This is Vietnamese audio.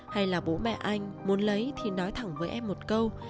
hay là bố mẹ anh muốn lấy thì nói thẳng với em một câu